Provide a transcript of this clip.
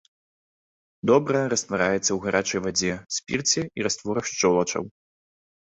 Добра раствараецца ў гарачай вадзе, спірце і растворах шчолачаў.